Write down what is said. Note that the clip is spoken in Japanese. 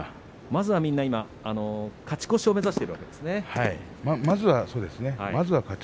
まずは、みんは勝ち越しを目指しているわけですね。